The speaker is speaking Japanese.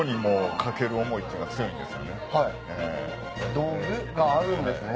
道具があるんですね。